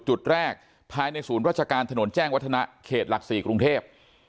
จุดแรกภายในศูนย์ราชการถนนแจ้งวัฒนะเขตหลัก๔กรุงเทพ